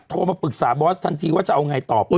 โทรมาปรึกษาบอสทันทีว่าจะเอาไงต่อพร้อม